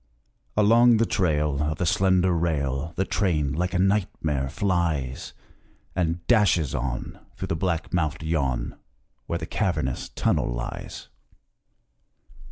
Along the trail Of the slender rail The train, like a nightmare, flies And dashes on Through the black mouthed yawn Where the cavernous tunnel lies.